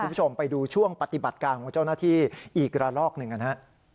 คุณผู้ชมไปดูช่วงปฏิบัติการของเจ้าหน้าที่อีกระลอกหนึ่งกันฮะ